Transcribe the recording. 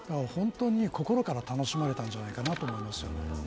心から楽しまれたんじゃないかなと思います。